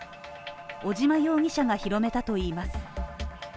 尾島容疑者が広めたといいます。